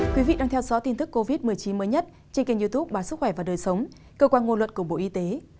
quý vị đang theo dõi tin tức covid một mươi chín mới nhất trên kênh youtube báo sức khỏe và đời sống cơ quan ngôn luận của bộ y tế